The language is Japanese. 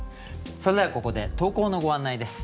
それではここで投稿のご案内です。